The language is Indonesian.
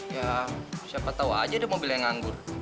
ya siapa tau aja deh mobilnya yang nganggur